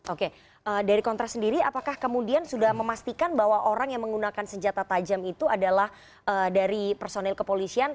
oke dari kontras sendiri apakah kemudian sudah memastikan bahwa orang yang menggunakan senjata tajam itu adalah dari personil kepolisian